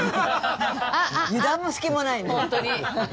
油断も隙もないね。